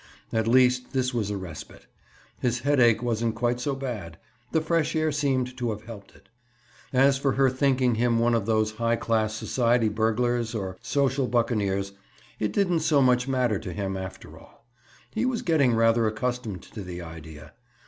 At least, this was a respite. His headache wasn't quite so bad; the fresh air seemed to have helped it. As for her thinking him one of those high class society burglars, or social buccaneers, it didn't so much matter to him, after all. He was getting rather accustomed to the idea.